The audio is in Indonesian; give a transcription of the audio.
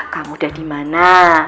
kamu udah dimana